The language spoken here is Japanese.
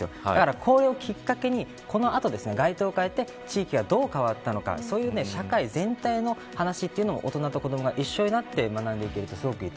これをきっかけにこの後、街灯を変えて地域がどう変わったのか社会全体の話も大人と子どもが一緒になって学んでいけるといいと